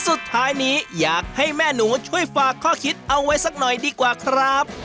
สุดท้ายนี้อยากให้แม่หนูช่วยฝากข้อคิดเอาไว้สักหน่อยดีกว่าครับ